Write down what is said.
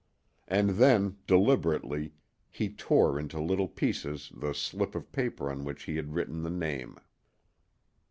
And then, deliberately, he tore into little pieces the slip of paper on which he had written the name.